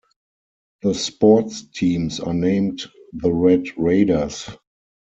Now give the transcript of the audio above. The sports teams are named the Red Raiders.